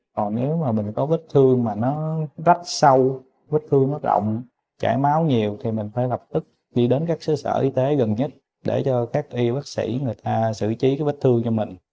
còn nếu mà mình có vết thương mà nó rất sâu vết thương nó rộng chảy máu nhiều thì mình phải lập tức đi đến các xứ sở y tế gần nhất để cho các y bác sĩ người ta xử trí cái vết thương cho mình